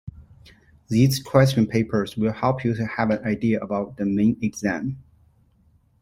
These question papers will help you to have an idea about the main exam.